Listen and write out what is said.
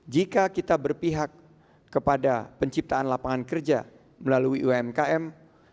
jika kita berpihak kepada penciptaan lapangan kerja melalui umkm